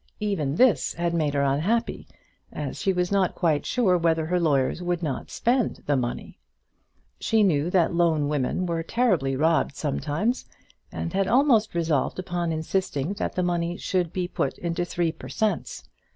Even this had made her unhappy, as she was not quite sure whether her lawyers would not spend the money. She knew that lone women were terribly robbed sometimes, and had almost resolved upon insisting that the money should be put into the Three per Cents.